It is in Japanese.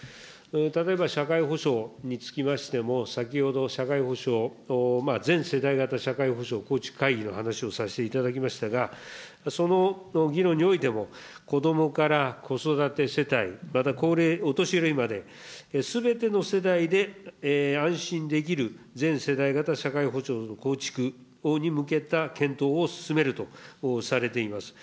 例えば社会保障につきましても、先ほど社会保障、全世代型社会保障構築会議の話をさせていただきましたが、その議論においても、子どもから子育て世帯、また高齢、お年寄りまで、すべての世代で安心できる全世代型社会保障の構築に向けた検討を進めるとされています。